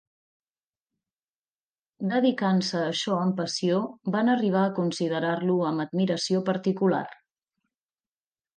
Dedicant-se a això amb passió, van arribar a considerar-lo amb admiració particular.